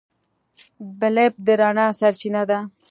بلب د رڼا سرچینه ده.